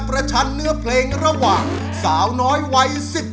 เป็นเงิน๒ล้านบาท